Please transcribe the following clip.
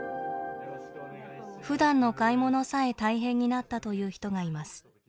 ふだんの買い物さえ大変になったという人がいます。